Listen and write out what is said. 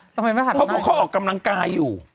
ทำไมไม่ทันได้เพราะว่าเขากำลังกายอยู่